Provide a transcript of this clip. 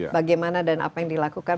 bagaimana dan apa yang dilakukan